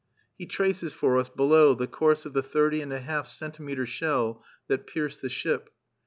He traces for us, below, the course of the thirty and a half centimetre shell that pierced the ship.